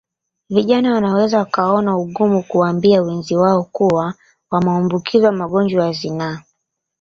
Vijana wanaweza wakaona ugumu kuwaambia wenzi wao kuwa wameambukizwa magonjwa ya zinaa